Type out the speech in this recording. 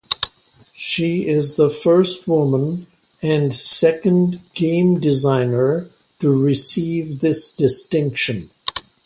She is the first woman and second game designer to receive this distinction.